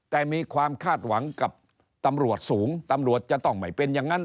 แต่มีความคาดหวังกับตำรวจสูงตำรวจจะต้องไม่เป็นอย่างนั้น